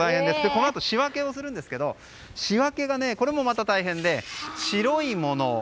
このあと仕分けをするんですが仕分けもまた大変で白いもの。